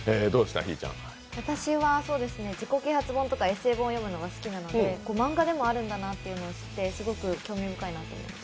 私は自己啓発本とかエッセー本を読むのが好きなので漫画でもあるんだなっていうのを知って興味深いなと思いました。